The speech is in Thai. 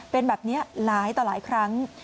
เป็นแบบนี้หลายต่อหลายครั้ง